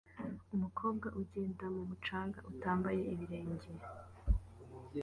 Umukobwa ugenda ku mucanga utambaye ibirenge